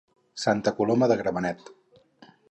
Santa Coloma de Gramenet.